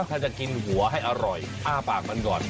ถ้าจะกินหัวให้อร่อยอ้าปากมันก่อน